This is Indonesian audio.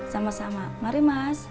sama sama mari mas